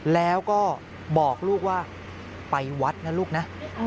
แล้วก็บอกลูกว่าไปวัดนะลูกนะ